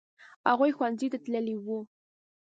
هغوی ښوونځي ته تللي وو.